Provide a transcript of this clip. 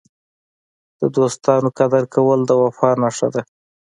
د دوستانو قدر کول د وفا نښه ده.